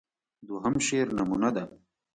دوهم شعر نمونه ده.